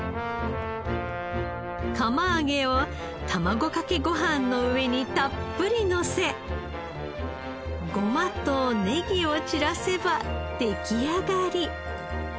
釜揚げを卵かけご飯の上にたっぷりのせゴマとネギを散らせば出来上がり。